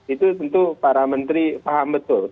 itu tentu para menteri paham betul